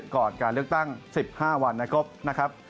ก่อนการเลือกตั้ง๑๕วันนะครับ